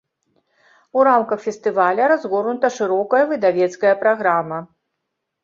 У рамках фестываля разгорнута шырокая выдавецкая праграма.